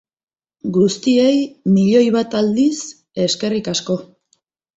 Guztiei, milioi bat aldiz, eskerrik asko!